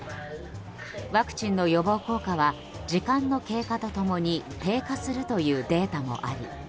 ワクチンの予防効果は時間の経過と共に低下するというデータもあり